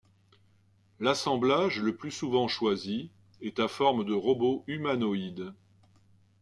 L'assemblage le plus souvent choisi est à forme de robot humanoïde.